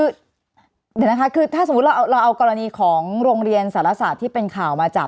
เดี๋ยวนะคะคือถ้าสมมุติเราเอากรณีของโรงเรียนสารศาสตร์ที่เป็นข่าวมาจับ